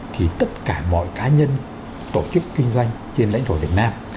thì tất cả mọi cá nhân tổ chức kinh doanh trên lãnh thổ việt nam